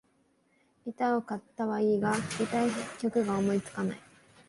ギターを買ったはいいが、弾きたい曲が思いつかない